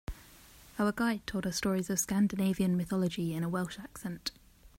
Our guide told us stories of Scandinavian mythology in a Welsh accent.